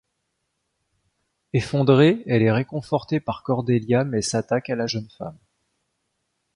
Effondrée, elle est réconfortée par Cordelia mais s'attaque à la jeune femme.